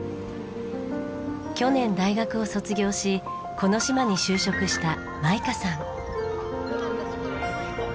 去年大学を卒業しこの島に就職したマイカさん。